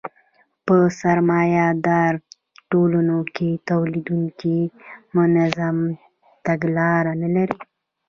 په سرمایه داري ټولنو کې تولیدونکي منظمه تګلاره نلري